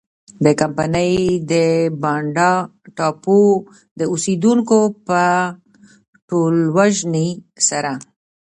د کمپنۍ د بانډا ټاپو د اوسېدونکو په ټولوژنې سره.